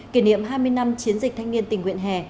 kỷ niệm hai mươi năm chiến dịch thanh niên tình nguyện hè